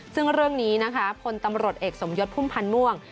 ซึ่งเรื่องนี้นะคะพลตำรวจเอกสมยศพุ่มพันธ์ม่วง